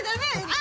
あ！